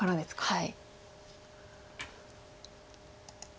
はい。